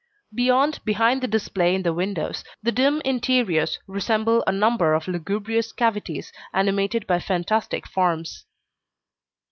Beyond, behind the display in the windows, the dim interiors resemble a number of lugubrious cavities animated by fantastic forms.